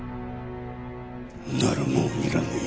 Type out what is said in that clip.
ならもういらねぇよ。